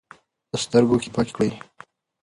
د سترګو اوښکې پاکې کړئ.